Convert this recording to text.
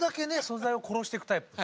素材を殺していくタイプ。